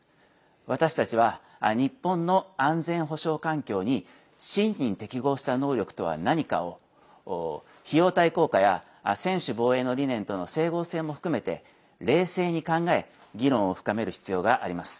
私たちは、日本の安全保障環境に真に適合した能力とは何かを費用対効果や専守防衛の理念との整合性も含めて冷静に考え議論を深める必要があります。